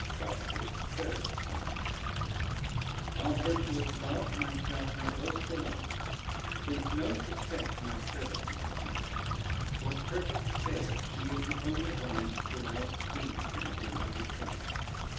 ] Rosader's third Sonnet Of virtuous love myself may boast alone, Since no suspect my service may attaint: For perfect fair she is the only one, Whom I esteem for my belovèd saint.